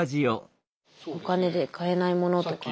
お金で買えないものとか。